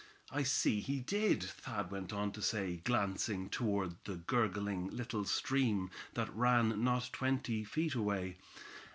"I see he did," Thad went on to say, glancing toward the gurgling little stream that ran not twenty feet away.